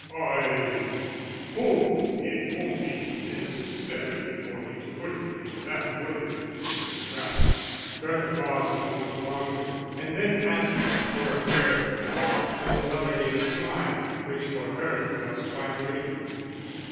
"I hope it won't be necessary for me to put it in that way, Mrs. Craddock." Bertha paused a moment longer, and then asked for a prayer book. Miss Glover gave a smile which for her was quite radiant.